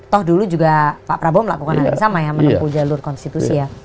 toh dulu juga pak prabowo melakukan hal yang sama ya menempuh jalur konstitusi ya